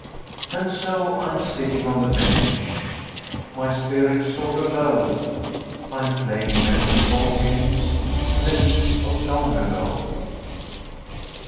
And so I'm sitting on the bench, my spirits sort o' low, And playing memory ball games in the League of Long Ago.